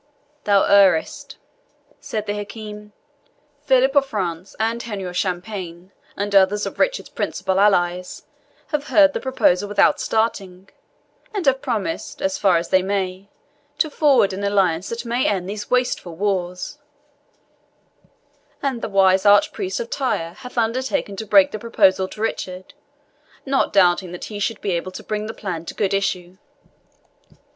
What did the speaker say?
"Thou errest," said the Hakim. "Philip of France, and Henry of Champagne, and others of Richard's principal allies, have heard the proposal without starting, and have promised, as far as they may, to forward an alliance that may end these wasteful wars; and the wise arch priest of Tyre hath undertaken to break the proposal to Richard, not doubting that he shall be able to bring the plan to good issue.